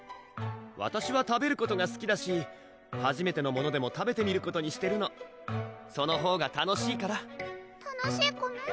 わたしは食べることがすきだしはじめてのものでも食べてみることにしてるのそのほうが楽しいから楽しいコメ？